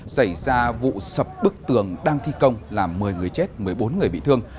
xảy ra vụ sập bức tường đang thi công làm một mươi người chết một mươi bốn người bị thương